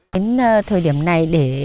hãy đăng ký kênh để nhận thông tin nhất